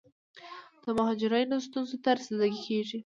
د مهاجرینو ستونزو ته رسیدګي کیږي.